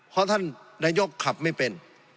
เพราะท่านนายกขับไม่เป็น